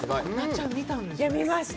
見ました。